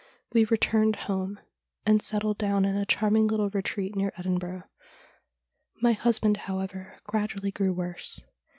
We returned home, and settled down in a charming little retreat near Edinburgh. My husband, however, gradually grew worse.